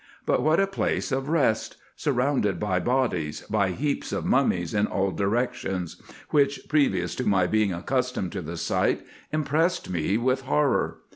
But what a place of rest ! surrounded by bodies, by heaps of mummies in all directions ; which, previous to my being accustomed to the sight, impressed me with horror.